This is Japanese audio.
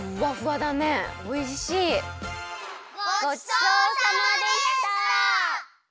ごちそうさまでした！